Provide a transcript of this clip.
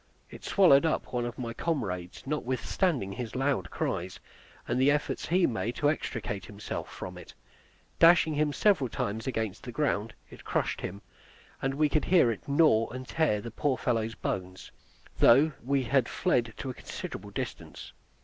It swallowed up one of my comrades, notwithstanding his loud cries, and the efforts he made to extricate himself from it; dashing him several times against the ground, it crushed him, and we could hear it gnaw and tear the poor fellow's bones, though we had fled to a considerable distance.